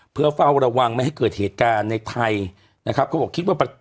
เพื่อเฝ้าระวังไม่ให้เกิดเหตุการณ์ในไทยนะครับเขาบอกคิดว่า